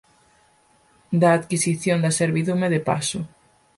Da adquisición da servidume de paso